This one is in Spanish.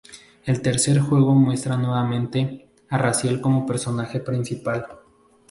El tercer juego muestra, nuevamente, a Raziel como personaje principal.